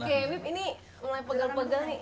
oke bip ini mulai pegal pegal nih